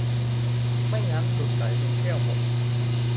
ไม่งั้นหลุดไหลลงแก้วหมด